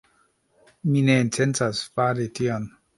Mi ne intencas fari tion!